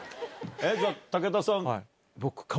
じゃあ武田さん。